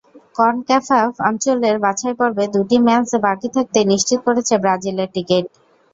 CONCACAF অঞ্চলের বাছাইপর্বে দুই match বাকি থাকতেই নিশ্চিত করেছে ব্রাজিলের টিকিট।